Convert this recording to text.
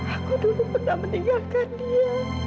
aku dulu pernah meninggalkan dia